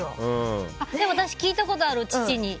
私、聞いたことある、父に。